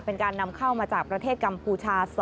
เป็นการนำเข้ามาจากประเทศกัมพูชา๒